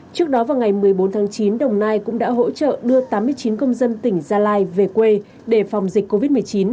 trước đó vào ngày một mươi bốn tháng chín đồng nai cũng đã hỗ trợ đưa tám mươi chín công dân tỉnh gia lai về quê để phòng dịch covid một mươi chín